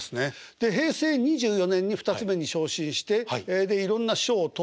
で平成２４年に二ツ目に昇進していろんな賞を取った。